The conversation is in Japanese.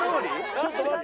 ちょっと待って。